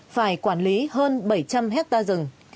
phải quản lý hơn bảy trăm linh hectare rừng